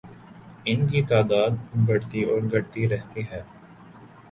ان کی تعداد بڑھتی اور گھٹتی رہتی ہے